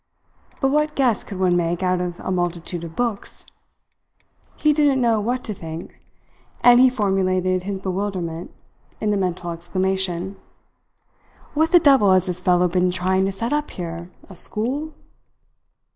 But what guess could one make out of a multitude of books? He didn't know what to think; and he formulated his bewilderment in the mental exclamation: "What the devil has this fellow been trying to set up here a school?"